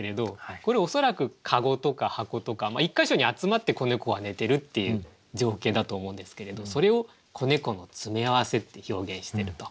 これ恐らく籠とか箱とか１か所に集まって子猫が寝てるっていう情景だと思うんですけれどそれを「子猫の詰め合わせ」って表現してると。